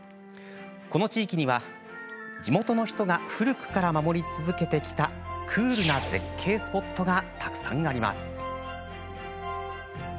この地域には、地元の人が古くから守り続けてきたクールな絶景スポットがたくさんあります。